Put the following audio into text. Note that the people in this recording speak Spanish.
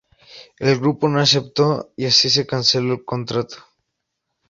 El grupo no aceptó y así se canceló el contrato.